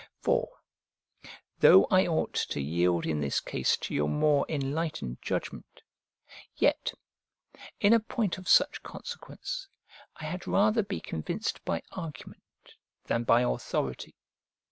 For, though I ought to yield in this case to your more enlightened judgment, yet, in a point of such consequence, I had rather be convinced by argument than by authority.